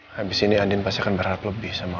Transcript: habis ini andien pasti akan berharap lebih sama lo